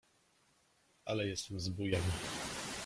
ale jestem zbójem.